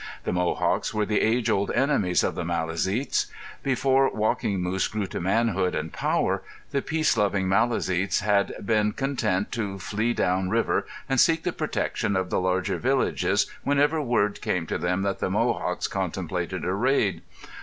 The Mohawks were the age old enemies of the Maliseets. Before Walking Moose grew to manhood and power, the peace loving Maliseets had been content to flee down river and seek the protection of the larger villages whenever word came to them that the Mohawks contemplated a raid.